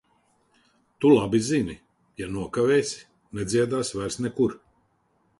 Tu labi zini - ja nokavēsi, nedziedāsi vairs nekur.